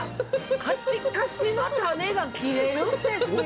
カチカチの種が切れるんですよ！